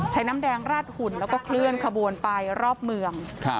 น้ำแดงราดหุ่นแล้วก็เคลื่อนขบวนไปรอบเมือง